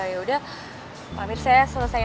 ya udah pak amir saya selesain